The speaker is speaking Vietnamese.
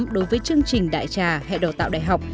đối với chương trình đại trà hệ đào tạo đại học